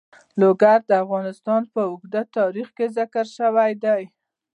لوگر د افغانستان په اوږده تاریخ کې ذکر شوی دی.